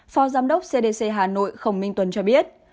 phó giám đốc cdc hà nội khổng minh tuấn cho biết